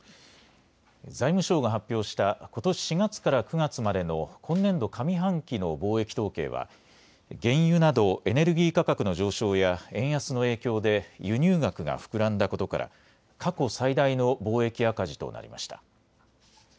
財務省が発表したことし４月から９月までの今年度上半期の貿易統計は原油などエネルギー価格の上昇や円安の影響で輸入額が膨らんだことから過去最大の貿易赤字となりました。